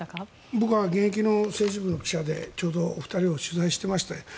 僕は現役の政治部の記者でちょうど２人を取材しました。